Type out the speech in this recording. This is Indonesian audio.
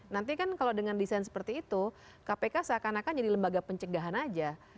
nanti kan kalau dengan desain seperti itu kpk seakan akan jadi lembaga pencegahan aja